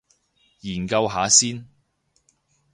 研究下先